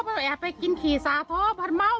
สงสารเนาะ